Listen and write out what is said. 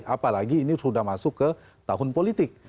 apalagi ini sudah masuk ke tahun politik